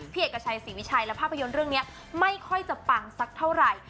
เอกชัยศรีวิชัยและภาพยนตร์เรื่องนี้ไม่ค่อยจะปังสักเท่าไหร่